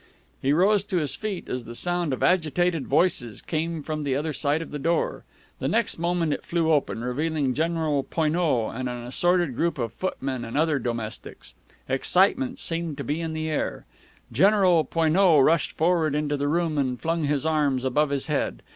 He rose to his feet as the sound of agitated voices came from the other side of the door. The next moment it flew open, revealing General Poineau and an assorted group of footmen and other domestics. Excitement seemed to be in the air. General Poineau rushed forward into the room, and flung his arms above his head.